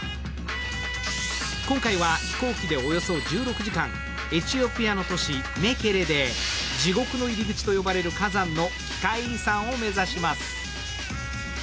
今回は飛行機でおよそ１６時間、エチオピアの都市、メケレで地獄の入り口と言われる火山の奇界遺産を目指します。